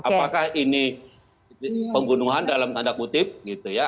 apakah ini pembunuhan dalam tanda kutip gitu ya